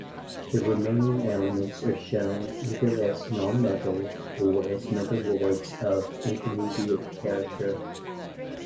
The remaining elements are shown either as nonmetals or as metalloids of intermediate character.